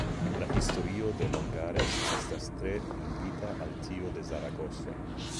La historio de Longares estas tre ligita al tiu de Zaragozo.